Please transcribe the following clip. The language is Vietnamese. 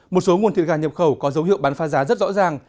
một số nguồn thịt gà nhập khẩu có dấu hiệu bán phá giá rất rõ ràng